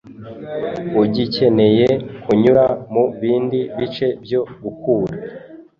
ugikeneye kunyura mu bindi bice byo gukura